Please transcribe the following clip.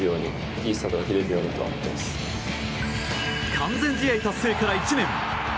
完全試合達成から１年。